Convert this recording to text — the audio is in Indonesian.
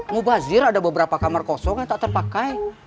mubazir ada beberapa kamar kosong yang tak terpakai